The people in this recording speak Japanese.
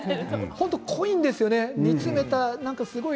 濃いんですよね、すごく。